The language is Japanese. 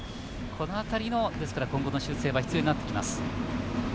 この当たりの今後の修正は必要になってきます。